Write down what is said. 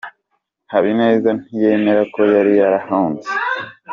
Habineza ntiyemera ko yari yarahunze